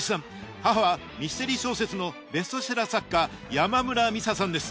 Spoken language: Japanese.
母はミステリー小説のベストセラー作家山村美紗さんです